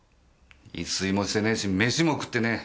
一睡もしてねえし飯も食ってねえ。